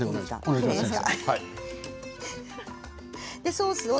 ソースを。